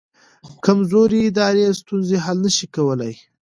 کمزوري ادارې ستونزې حل نه شي کولی.